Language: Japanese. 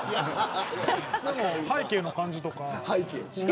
でも背景の感じとか。